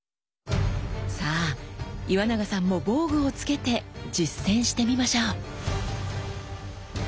さあ岩永さんも防具を着けて実践してみましょう！